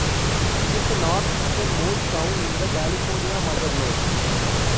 It is the northeastern-most town in the California Mother Lode.